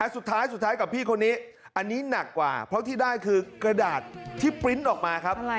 สุดท้ายสุดท้ายกับพี่คนนี้อันนี้หนักกว่าเพราะที่ได้คือกระดาษที่ปริ้นต์ออกมาครับ